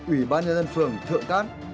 ủy ban nhân dân phường thượng cát